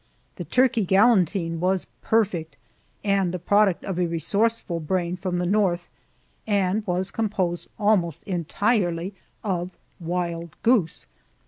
The turkey galantine was perfect, and the product of a resourceful brain from the North, and was composed almost entirely of wild goose!